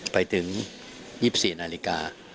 ไปถึง๒๔นาฬิกา